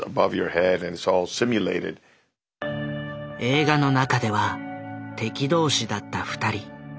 映画の中では敵同士だった２人。